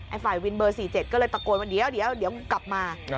ฝ่ายวินเบอร์๔๗ก็เลยตะโกนว่าเดี๋ยวกลับมา